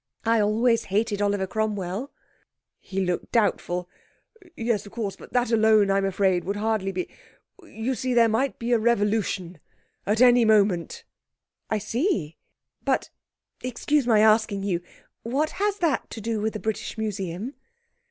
I always hated Oliver Cromwell.' He looked doubtful. 'Yes, of course but that alone, I'm afraid, would hardly be ... you see there might be a revolution at any moment.' 'I see. But excuse my asking you, what has that to do with the British Museum?'